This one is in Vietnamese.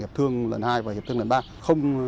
hiệp thương lần hai và hiệp thương lần ba